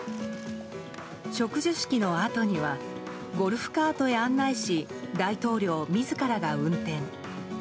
植樹式のあとにはゴルフカートへ案内し大統領自らが運転。